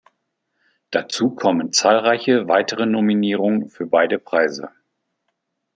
Dazu kommen zahlreiche weitere Nominierungen für beide Preise.